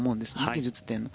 技術点の。